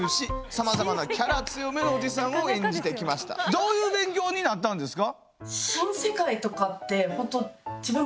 どういう勉強になったんですか？